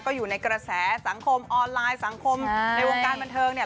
ก็อยู่ในกระแสสังคมออนไลน์สังคมในวงการบันเทิงเนี่ย